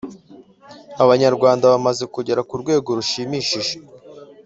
Abanyarwanda bamaze kugera ku rwego rushimishije